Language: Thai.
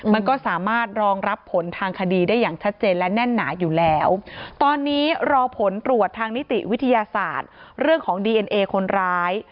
มันก็สามารถรองรับผลทางคดีได้อย่างชัดเจนและแน่นหนาอยู่แล้วตอนนี้รอผลตรวจทางนิติวิทยาศาสตร์เรื่องของดีเอ็นเอคนร้าย